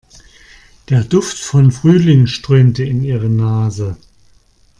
Der Duft von Frühling strömte in ihre Nase.